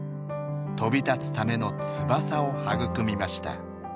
飛び立つための翼を育みました。